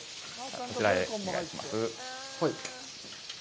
こちらへお願いします。